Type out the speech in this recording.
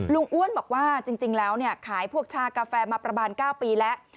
อ้วนบอกว่าจริงแล้วขายพวกชากาแฟมาประมาณ๙ปีแล้ว